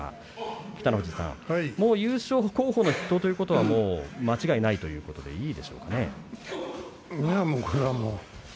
北の富士さん、優勝候補の筆頭ということは間違いないということでいいですか。